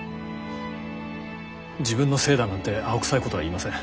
自分のせいだなんて青臭いことは言いません。